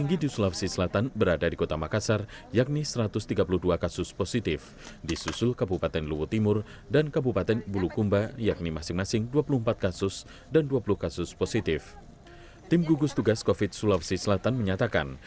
gugus tugas covid sulawesi selatan menyatakan